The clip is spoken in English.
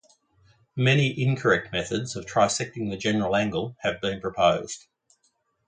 Many incorrect methods of trisecting the general angle have been proposed.